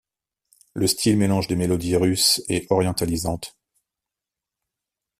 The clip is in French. Le style mélange des mélodies russes et orientalisantes.